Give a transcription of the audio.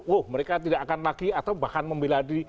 wah mereka tidak akan lagi atau bahkan membeladi